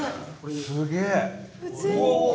すげえ。